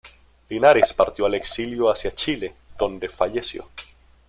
Linares partió al exilio hacia Chile, donde falleció.